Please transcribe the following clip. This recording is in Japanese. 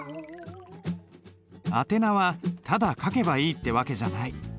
宛名はただ書けばいいって訳じゃない。